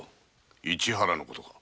市原の事か？